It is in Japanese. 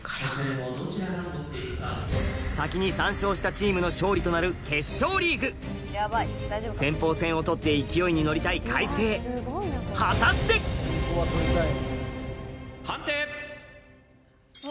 先に３勝したチームの勝利となる決勝リーグ先鋒戦を取って勢いに乗りたい開成果たして判定！